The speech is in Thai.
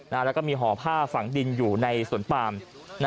แล้วก็มีห่อผ้าฝังดินอยู่ในสวนปาม